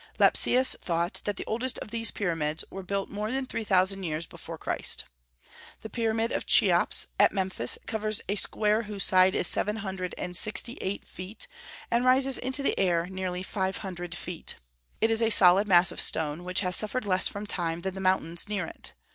Lepsius thought that the oldest of these Pyramids were built more than three thousand years before Christ. The Pyramid of Cheops, at Memphis, covers a square whose side is seven hundred and sixty eight feet, and rises into the air nearly five hundred feet. It is a solid mass of stone, which has suffered less from time than the mountains near it.